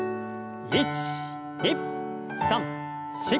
１２３４。